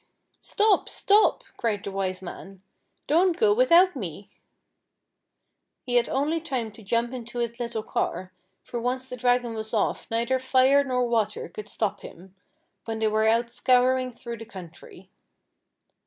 "Stop, stop," cried the Wise Man, "don't go without me." He had only time to jump into his little car, for once the Dragon was off neither Fire nor Water could stop him, when they were out scouring through the country.